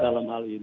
dalam hal ini